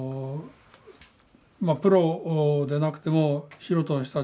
プロでなくても素人の人たちがね